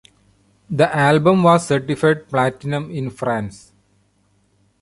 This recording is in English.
The album was certified platinum in France.